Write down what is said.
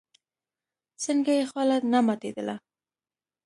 څنگه يې خوله نه ماتېدله.